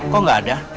kok gak ada